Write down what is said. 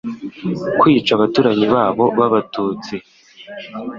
kwica abaturanyi babo b Abatutsi